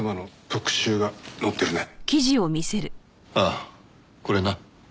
ああこれな。